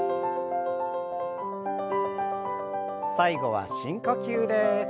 最後は深呼吸です。